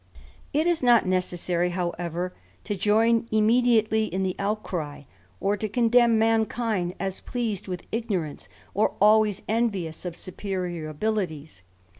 It is not necessary, however, to join immediately in the outcry, or to condemn mankind as pleased with ignorancf^ or olways envious of superior abilities.